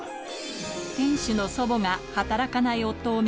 店主の祖母が働かない夫を見